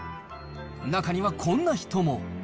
中にはこんな人も。